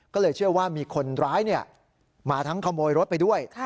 ก็เลยเชื่อว่ามีคนร้ายมาทั้งขโมยรถไปด้วย